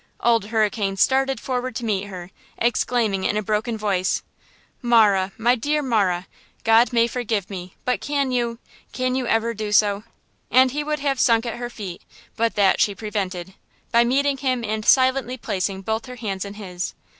Old Hurricane started forward to meet her, exclaiming in a broken voice: "Marah, my dear Marah, God may forgive me, but can you–can you ever do so?" And he would have sunk at her feet, but that she prevented, by meeting him and silently placing both her hands in his.